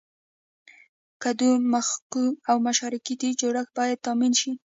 ګډون مخوکی او مشارکتي جوړښت باید تامین شي.